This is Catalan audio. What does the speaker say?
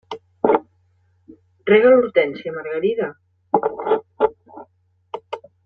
Rega l'hortènsia, Margarida.